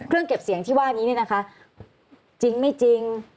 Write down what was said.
เครื่องเก็บเสียงที่ว่าอย่างนี้นะคะจริงไม่จริง